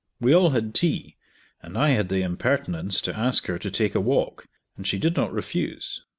We all had tea, and I had the impertinence to ask her to take a walk, and she did not refuse.